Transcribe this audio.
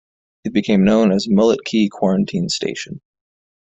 It became known as Mullet Key Quarantine Station.